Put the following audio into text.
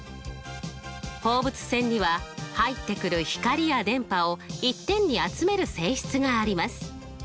放物線には入ってくる光や電波を一点に集める性質があります。